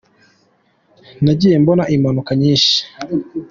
Nagiye mbona impanuka nyinshi